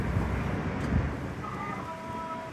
تر ماښام پوري به ګورو چي تیاره سي !.